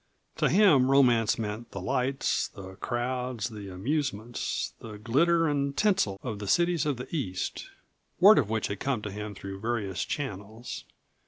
To him, romance meant the lights, the crowds, the amusements, the glitter and tinsel of the cities of the East, word of which had come to him through various channels.